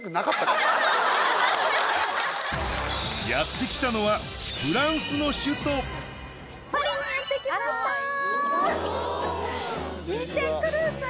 やって来たのはフランスの首都見てください。